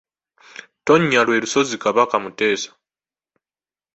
Ttonnya lwe lusozi Kabaka Muteesa.